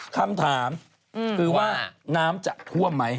คำถามคือว่าน้ำจะท่วมไหม